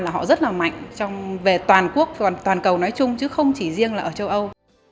là họ rất là mạnh về toàn quốc toàn cầu nói chung chứ không chỉ riêng là ở châu âu